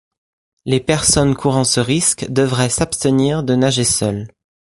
Les personnes courant ce risque devraient s'abstenir de nager seules.